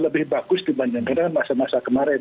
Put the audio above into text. lebih bagus dibandingkan dengan masa masa kemarin